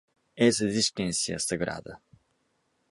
Essa existência sagrada